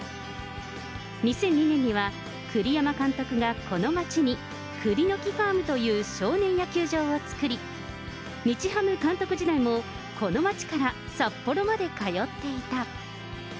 ２００２年には栗山監督がこの町に栗の樹ファームという少年野球場を作り、日ハム監督時代もこの町から札幌まで通っていた。